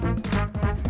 terima kasih pak joko